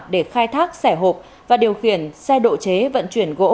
để khai thác sẻ hộp và điều khiển xe độ chế vận chuyển gỗ